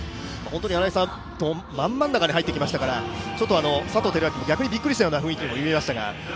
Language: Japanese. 本当に真ん真ん中に入ってきましたから、佐藤輝明も逆にびっくりしたような雰囲気にも見えましたが。